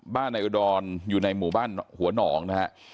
บ้านนายอุดรอยู่ในหมู่บ้านหัวหนองนะครับ